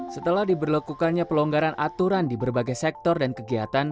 setelah diberlakukannya pelonggaran aturan di berbagai sektor dan kegiatan